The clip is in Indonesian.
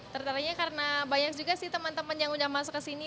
tertariknya karena banyak juga sih teman teman yang udah masuk ke sini